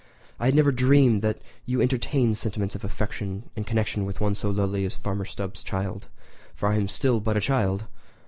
I had never dreamed that you entertained sentiments of affection in connexion with one so lowly as Farmer Stubbs' child—for I am still but a child!